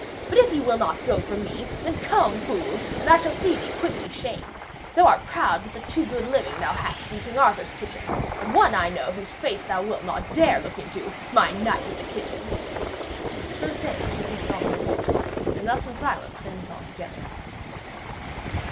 But if you will not go from me, then come, fool, and I shall see thee quickly shamed. Thou art proud with the too good living thou hadst in Arthur's kitchen, but one I know whose face thou wilt not dare to look into, my knight of the kitchen!' So saying, she pushed on her horse, and thus in silence they went on together.